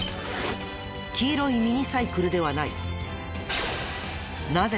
黄色いミニサイクルではない。